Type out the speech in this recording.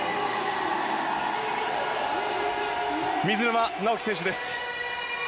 水沼尚輝選手です。